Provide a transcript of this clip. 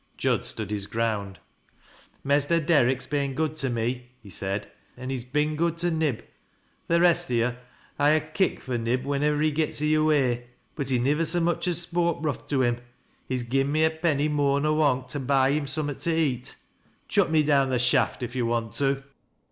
Jud stood his ground. " Mester Derrick's bin good to me," he said, " an' he's bin good to Nib. Th' rest o'yo' ha' a kick fur Nib when ivver he gits i' yore way ; but he nivver so much as spoke rough to him. He's gin me a penny more nor onct to buy him summat to eat. Chuck me down the shaft, if yrf K ant to."